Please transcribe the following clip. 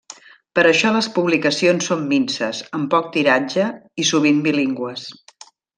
Per això les publicacions són minses, amb poc tiratge i sovint bilingües.